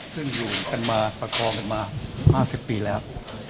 ซึ่งอยู่กันมาประคองกันมา๕๐ปีแล้ว